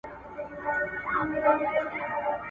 د هغه هر وخت